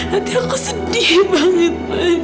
hati aku sedih banget